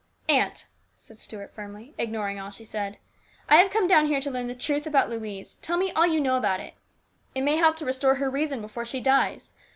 " Aunt," said Stuart firmly, ignoring all she said, " I have come down here to learn the truth about Louise. Tell me all you know about it. It may help to restore her reason before she dies.